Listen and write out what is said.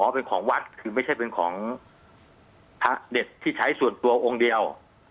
เป็นของวัดคือไม่ใช่เป็นของพระเด็ดที่ใช้ส่วนตัวองค์เดียว